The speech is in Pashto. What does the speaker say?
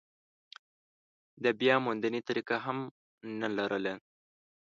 د بیاموندنې طریقه هم نه لرله.